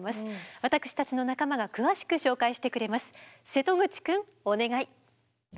私たちの仲間が詳しく紹介してくれます。